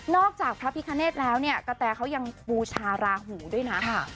จากพระพิคเนธแล้วเนี่ยกะแตเขายังบูชาราหูด้วยนะ